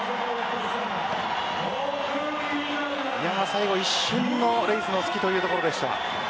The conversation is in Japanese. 最後は一瞬のレイズの隙というところでした。